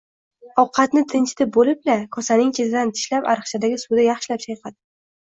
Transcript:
Ovqatni tinchitib bo‘lib-la, kosaning chetidan tishlab, ariqchadagi suvda yaxshilab chayqadim